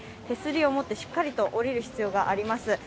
手すりを持ってしっかりと下りる必要があります。